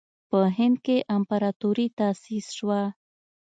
په هند کې امپراطوري تأسیس شوه.